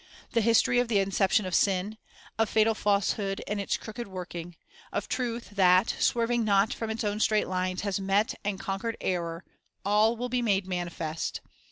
The history of the inception of sin; of fatal falsehood in its crooked working; of truth that, swerving not from its own straight lines, has met and conquered error, — all will be made manifest.